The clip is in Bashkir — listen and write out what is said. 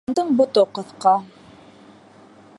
Ялғандың бото ҡыҫҡа.